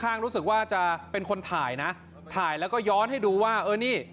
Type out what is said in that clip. รู้สึกว่าจะเป็นคนถ่ายนะถ่ายแล้วก็ย้อนให้ดูว่าเออนี่